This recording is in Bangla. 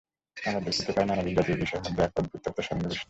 আমরা দেখিতে পাই নানা বিজাতীয় বিষয়ের মধ্যে এক অদ্ভুত তত্ত্ব সন্নিবিষ্ট।